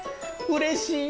うれしい！